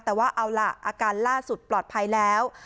แต่ว่าเอาล่ะอาการล่าสุดปลอดภัยแล้ว